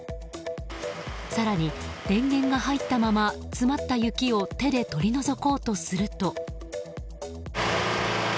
更に電源が入ったまま詰まった雪を手で取り除こうとすると。